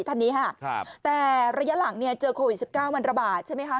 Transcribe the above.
ท่านนี้ค่ะแต่ระยะหลังเนี่ยเจอโควิด๑๙มันระบาดใช่ไหมคะ